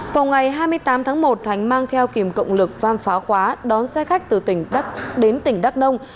vòng ngày hai mươi tám tháng một thành mang theo kìm cộng lực văn phá khóa đón xe khách từ tỉnh đắk đông